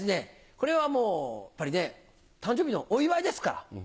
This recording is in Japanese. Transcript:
これはもうやっぱりね誕生日のお祝いですから。